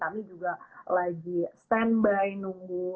tam nih juga lagi standby nunggu